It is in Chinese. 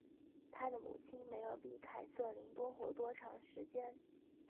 她的母亲没有比凯瑟琳多活多长时间。